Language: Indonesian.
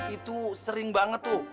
itu sering banget tuh